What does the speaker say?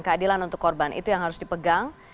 keadilan untuk korban itu yang harus dipegang